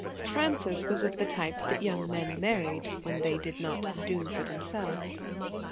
Frances was of the type that young men married when they did not 'do for themselves.'